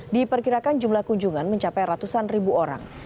di perkirakan jumlah kunjungan mencapai ratusan ribu orang